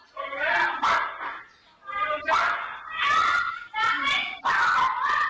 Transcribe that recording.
เจอเลยรักษาของค่าไม่ไกลสนวาคงกินเข้าคุยไกล